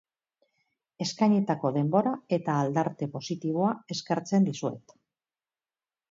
Eskainitako denbora eta aldarte positiboa eskertzen dizuet.